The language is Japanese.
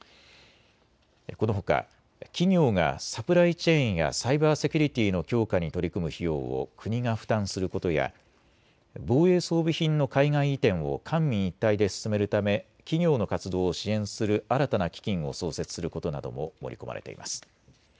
このほか企業がサプライチェーンやサイバーセキュリティーの強化に取り組む費用を国が負担することや防衛装備品の海外移転を官民一体で進めるため企業の活動を支援する新たな基金を創設することなども盛り込まれています。